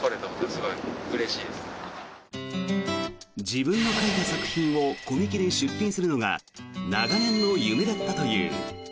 自分の描いた作品をコミケで出品するのが長年の夢だったという。